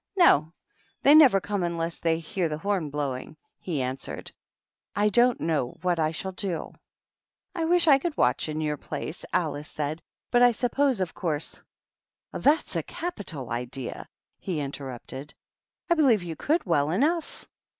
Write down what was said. " No ; they never come unless they hear th< horn blowing," he answered. "I don't knoip what I Hhail do!" " I wisli I could watch in your place," Alic Hjiid. '* JJut 1 suppose, of course "" Tliat's a capital idea," he interrupted. „" boliovo you could well enough.